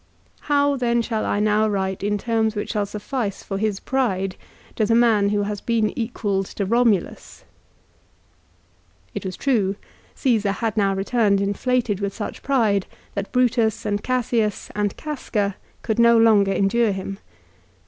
How then shall I now write in terms which shall suffice for his pride to the man who has been equalled to Eomulus ?" It was true, Csesar had now returned inflated with such pride that Brutus, and Cassius, and Casca could no longer endure him.